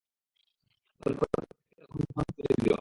তাদের প্রত্যেককে তাদের উপঢৌকন পৌঁছে দিল।